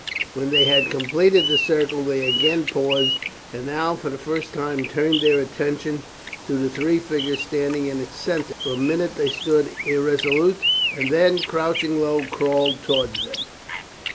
When they had completed the circle they again paused, and now for the first time turned their attention to the three figures standing in its centre. For a minute they stood irresolute, and then crouching low crawled towards them.